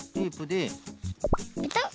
ペタッ。